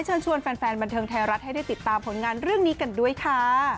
เชิญชวนแฟนบันเทิงไทยรัฐให้ได้ติดตามผลงานเรื่องนี้กันด้วยค่ะ